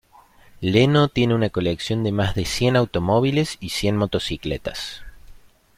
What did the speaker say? Leno tiene una colección de más de cien automóviles y cien motocicletas.